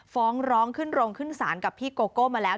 ฟ้องร้องขึ้นโรงขึ้นศาลกับพี่โกโก้มาแล้ว